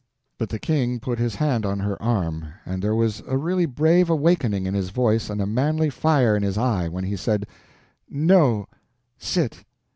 But the King put his hand on her arm, and there was a really brave awakening in his voice and a manly fire in his eye when he said: "No, sit.